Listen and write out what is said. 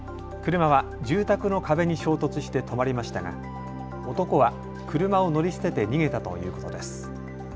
車は住宅の壁に衝突して止まりましたが男は車を乗り捨てて逃げたということです。